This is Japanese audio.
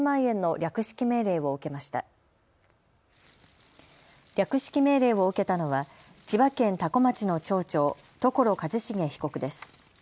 略式命令を受けたのは千葉県多古町の町長、所一重被告です。